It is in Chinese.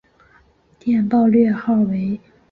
电报略号为。